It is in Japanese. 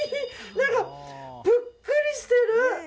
何かぷっくりしてる。